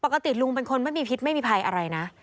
ปกติลุงเป็นคนไม่มีพิษไม่มีภัยอะไรนะ